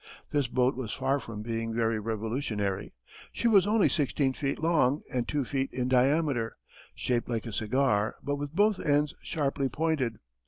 This boat was far from being very revolutionary. She was only sixteen feet long and two feet in diameter, shaped like a cigar but with both ends sharply pointed.